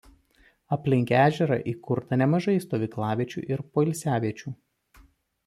Aplink ežerą įkurta nemažai stovyklaviečių ir poilsiaviečių.